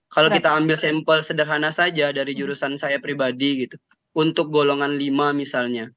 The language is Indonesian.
kalau kita ambil sampel sederhana saja dari jurusan saya pribadi gitu untuk golongan lima misalnya